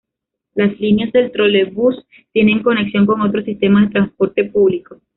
Las líneas del trolebús tienen conexión con otros sistemas de transporte público.